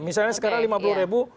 misalnya sekarang lima puluh ribu